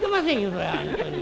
それは本当に」。